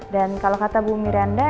dan kalau kata bu miranda